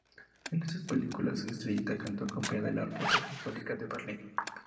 En estas películas Estrellita cantó acompañada de la Orquesta Sinfónica de Berlín.